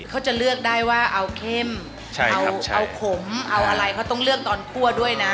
เขาจะเลือกได้ว่าเอาเข้มเอาขมเอาอะไรเขาต้องเลือกตอนคั่วด้วยนะ